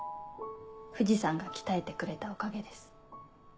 藤さんが鍛えてくれたおかげです。